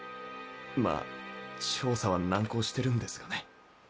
まあ調査は難航してるんですがね。